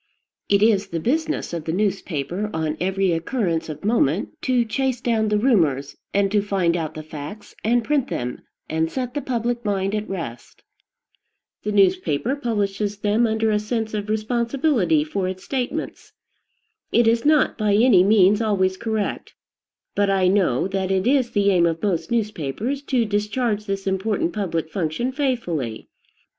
It is the business of the newspaper, on every occurrence of moment, to chase down the rumors, and to find out the facts and print them, and set the public mind at rest. The newspaper publishes them under a sense of responsibility for its statements. It is not by any means always correct; but I know that it is the aim of most newspapers to discharge this important public function faithfully.